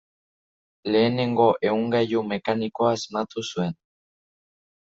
Lehenengo ehungailu mekanikoa asmatu zuen.